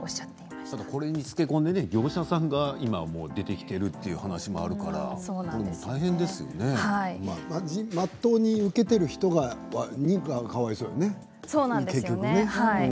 それにつけ込んで業者さんが出てきているというまっとうに受けている人がかわいそうだよね。